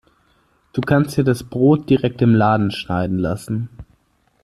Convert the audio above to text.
Du kannst dir das Brot direkt im Laden schneiden lassen.